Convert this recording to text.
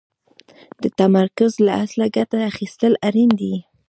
د تمرکز له اصله ګټه اخيستل اړين دي.